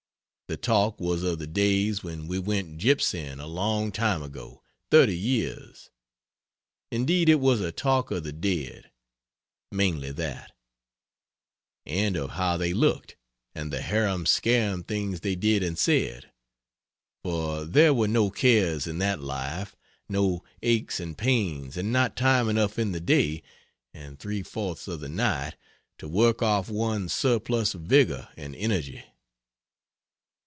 The talk was of the days when we went gypsying a long time ago thirty years. Indeed it was a talk of the dead. Mainly that. And of how they looked, and the harum scarum things they did and said. For there were no cares in that life, no aches and pains, and not time enough in the day (and three fourths of the night) to work off one's surplus vigor and energy.